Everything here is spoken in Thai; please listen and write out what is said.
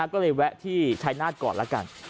ก็เลยแวะที่ชายนาฏก่อนแล้วกัน